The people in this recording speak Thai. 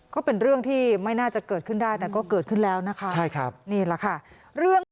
ก็เป็นเรื่องที่ไม่น่าจะเกิดขึ้นได้แต่ก็เกิดขึ้นแล้วนะคะใช่ครับนี่แหละค่ะเรื่อง